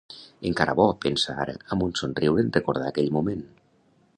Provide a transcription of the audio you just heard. Encara bo, pensa ara, amb un somriure en recordar aquell moment.